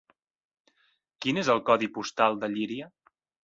Quin és el codi postal de Llíria?